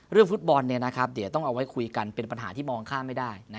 เรื่องฟุตบอลเดี๋ยวต้องเอาไว้คุยกันเป็นปัญหาที่มองข้ามไม่ได้